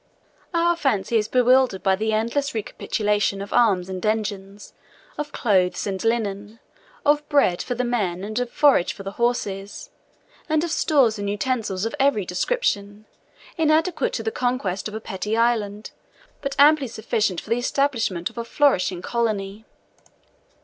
Our fancy is bewildered by the endless recapitulation of arms and engines, of clothes and linen, of bread for the men and forage for the horses, and of stores and utensils of every description, inadequate to the conquest of a petty island, but amply sufficient for the establishment of a flourishing colony.